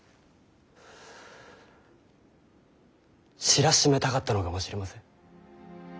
知らしめたかったのかもしれません。